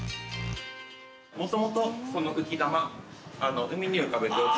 ◆もともと、この浮き玉海に浮かべるやつ。